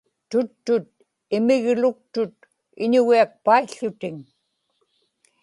tuttut imigluktut iñugiakpaił̣ł̣utiŋ